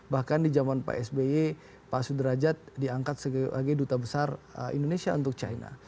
bahkan di zaman pak sby pak sudrajat diangkat sebagai duta besar indonesia untuk china